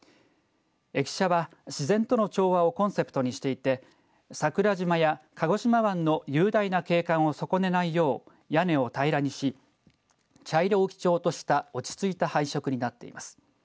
駅舎は自然との調和をコンセプトにしていて桜島や鹿児島湾の雄大な景観を損ねないよう屋根を平らにし茶色を基調とした落ち着いた配色になっています。